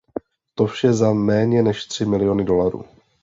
To vše za méně než tři miliony dolarů.